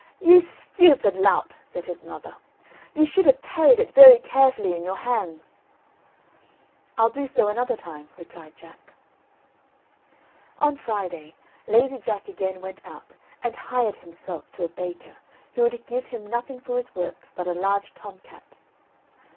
"You stupid lout," said his mother, "you should have carried it very carefully in your hands." "I'll do so another time," replied Jack. On Friday, Lazy Jack again went out, and hired himself to a baker, who would give him nothing for his work but a large tom cat.